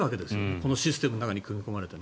このシステムの中に組み込まれてね。